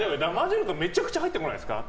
めちゃくちゃ入ってこないですか。